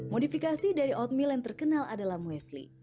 modifikasi dari oatmeal yang terkenal adalah muesli